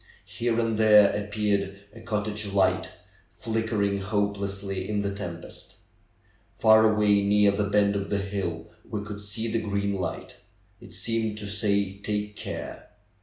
Here and there appeared a cottage THE BEND OF THE HILL 165 light, flickering hopelessly in the tempest. Far away near the bend of the hill we could see the green light ; it seemed to say, '^take care."